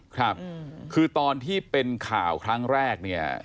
ครับคือตอนที่เป็นข่าวครั้งแรกเนี่ย